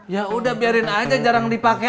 ya udah biarin aja jarang dipakai